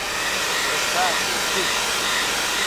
هغه ښکار ته ور کوز شو.